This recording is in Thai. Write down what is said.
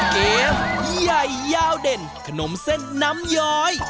เกมใหญ่ยาวเด่นขนมเส้นน้ำย้อย